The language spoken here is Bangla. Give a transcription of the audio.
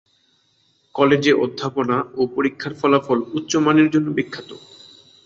কলেজে অধ্যাপনা এবং পরীক্ষার ফলাফল উচ্চ মানের জন্য বিখ্যাত।